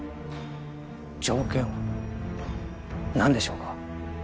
条件はなんでしょうか？